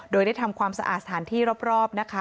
โดยได้ทำความสะอาดสถานที่รอบนะคะ